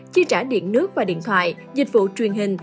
chi trả điện nước và điện thoại dịch vụ truyền hình